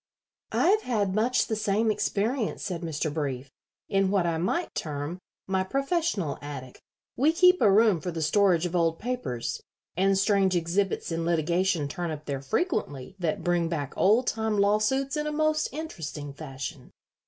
"I have had much the same experience," said Mr. Brief, "in what I might term my professional attic. We keep a room for the storage of old papers, and strange exhibits in litigation turn up there frequently that bring back old time lawsuits in a most interesting fashion."